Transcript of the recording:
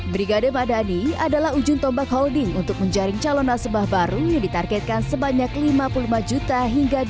brigade madani adalah ujung tombak holding untuk mencaring calon nasabah baru yang ditargetkan sebanyak lima puluh lima juta hingga dua ribu dua puluh empat